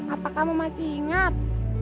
apa kamu masih ingat